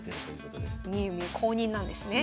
う公認なんですね。